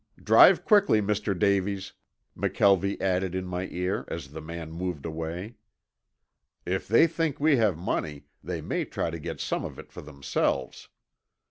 Drive quickly, Mr. Davies," McKelvie added in my ear as the man moved away. "If they think we have money they may try to get some of it for themselves."